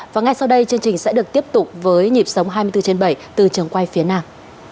và ngay sau đây chương trình sẽ được tiếp tục với nhịp sống hai mươi bốn trên bảy từ trường quay phía nam